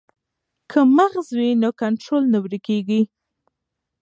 که مغز وي نو کنټرول نه ورکیږي.